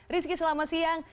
rizky selamat siang